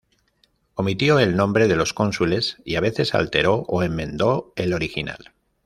Omitió el nombre de los cónsules y a veces alteró o enmendó el original.